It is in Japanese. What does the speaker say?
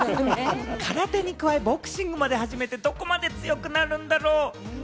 空手に加え、ボクシングまで始めて、どこまで強くなるんだろう？